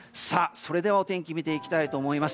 それではお天気見ていきたいと思います。